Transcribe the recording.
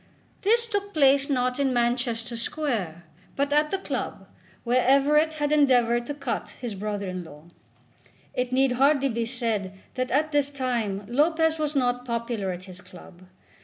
This took place not in Manchester Square, but at the club, where Everett had endeavoured to cut his brother in law. It need hardly be said that at this time Lopez was not popular at his club.